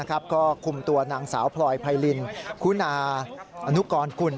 ก็คุมตัวนางสาวพลอยไพรินคุณาอนุกรกุล